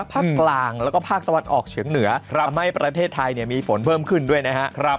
ภาคกลางแล้วก็ภาคตะวันออกเฉียงเหนือทำให้ประเทศไทยมีฝนเพิ่มขึ้นด้วยนะครับ